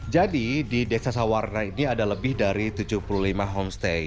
jadi di desa sawarna ini ada lebih dari tujuh puluh lima homestay